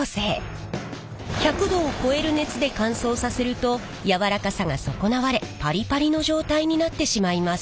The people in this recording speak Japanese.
１００℃を超える熱で乾燥させると柔らかさが損なわれパリパリの状態になってしまいます。